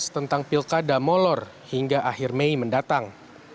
tentang pilkada molor hingga akhir mei mendatang